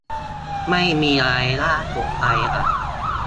ไม่มีอะไรน่าตกใจอ่ะ